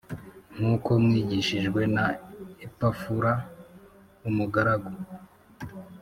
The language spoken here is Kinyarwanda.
nk uko mwigishijwe na Epafura umugaragu